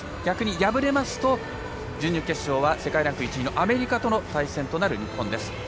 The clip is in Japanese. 逆に敗れますと準々決勝は世界ランキング１位のアメリカとの対戦となる日本です。